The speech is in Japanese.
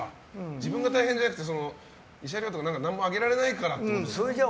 自分が大変じゃなくて慰謝料とか何もあげられないからと。